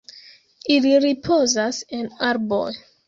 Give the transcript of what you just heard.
Ili ripozas en arboj.